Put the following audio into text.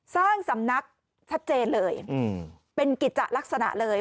สร้างสำนักชัดเจนเลยเป็นกิจจะลักษณะเลย